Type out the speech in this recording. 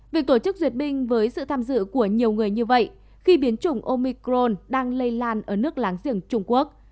việc tổ chức duyệt binh với sự tham dự của nhiều người như vậy khi biến chủng omicron đang lây lan ở nước láng giềng trung quốc